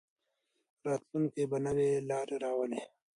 راتلونکی به نوې لارې راولي.